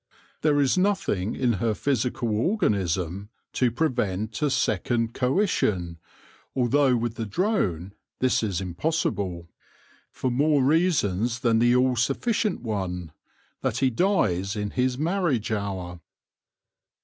There is nothing in her physical organism to prevent a second coition, although with the drone this is impossible, THE MYSTERY OF THE SWARM 125 forbore reasons than the all sufficient one— that he dies ti his marriage hour.